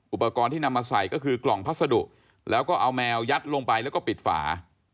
อุปกรณ์ที่นำมาใส่ก็คือกล่องพัสดุแล้วก็เอาแมวยัดลงไปแล้วก็ปิดฝา